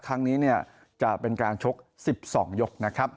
ครั้งนี้จะเป็นการชก๑๒ยกนะครับ